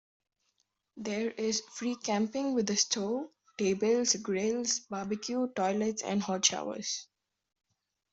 There is free camping with a stove, tables, grills, barbecue, toilets and hot showers.